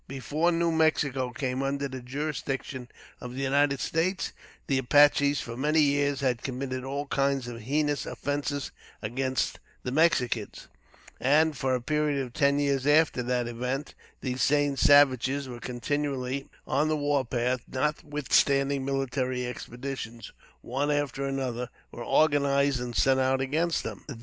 Before New Mexico came under the jurisdiction of the United States, the Apaches, for many years, had committed all kinds of heinous offences against the Mexicans; and, for a period of ten years after that event, these same savages were continually on the war path, notwithstanding military expeditions, one after another, were organized and sent out against them.